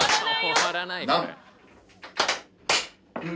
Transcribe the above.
終わらないこれ。